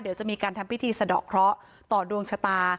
เดี๋ยวจะมีการทำพิธีสะดอกเคราะห์ต่อดวงชะตา